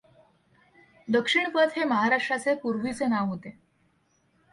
दक्षिणपथ हे महाराष्ट्राचे पूर्वीचे नाव होते.